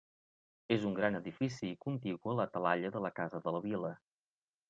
És un gran edifici contigu a la Talaia de la Casa de la Vila.